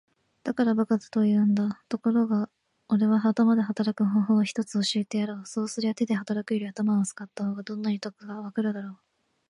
「だから馬鹿と言うんだ。ところがおれは頭で働く方法を一つ教えてやろう。そうすりゃ手で働くより頭を使った方がどんなに得だかわかるだろう。」